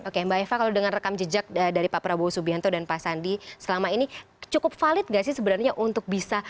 oke mbak eva kalau dengan rekam jejak dari pak prabowo subianto dan pak sandi selama ini cukup valid nggak sih sebenarnya untuk bisa